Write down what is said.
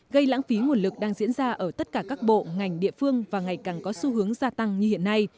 gây lãng phí nguồn lực đang diễn ra ở tất cả các bộ ngành địa phương và ngày càng có xu hướng gia tăng như hiện nay